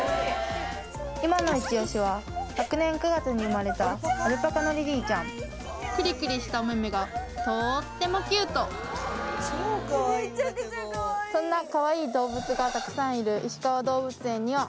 今のイチ押しは昨年９月に生まれたアルパカのリリィちゃんクリクリしたおめめがとってもキュートそんなかわいい動物がたくさんいるいしかわ動物園には